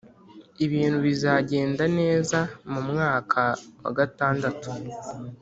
ibintu bizagenda neza mu mwaka wagatandatu